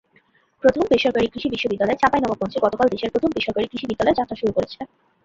প্রথম বেসরকারি কৃষি বিশ্ববিদ্যালয়চাঁপাইনবাবগঞ্জে গতকাল দেশের প্রথম বেসরকারি কৃষি বিশ্ববিদ্যালয় যাত্রা শুরু করেছে।